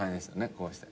こうして。